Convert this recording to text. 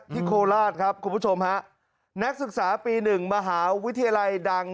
โคราชครับคุณผู้ชมฮะนักศึกษาปีหนึ่งมหาวิทยาลัยดัง